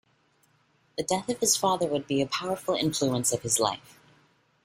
The death of his father would be a powerful influence of his life.